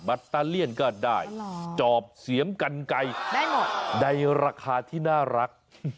ตาเลี่ยนก็ได้จอบเสียมกันไก่ได้หมดในราคาที่น่ารัก